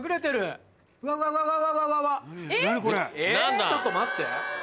えっちょっと待って。